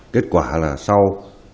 kết quả là sau